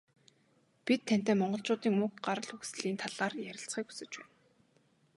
Бид тантай Монголчуудын уг гарал үүслийн талаар ярилцахыг хүсэж байна.